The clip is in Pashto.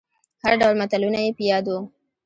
هر ډول متلونه يې په ياد وو.